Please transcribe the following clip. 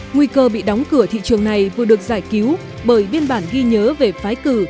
nguy cơ bị đóng cửa thị trường này vừa được giải cứu bởi biên bản ghi nhớ về phái cử